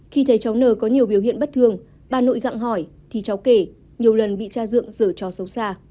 khi thấy cháu n có nhiều biểu hiện bất thường bà nội gặng hỏi thì cháu kể nhiều lần bị tra dựa dở trò xấu xa